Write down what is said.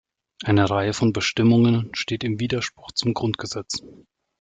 Eine Reihe von Bestimmungen steht im Widerspruch zum Grundgesetz.